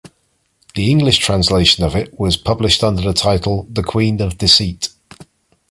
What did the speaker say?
The English translation of it was published under the title "The Queen of Deceit".